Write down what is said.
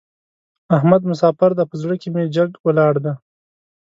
احمد مساپر دی؛ په زړه کې مې جګ ولاړ دی.